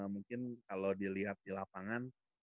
mungkin kalau dilihat di lapangan